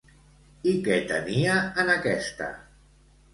I què tenia en aquesta?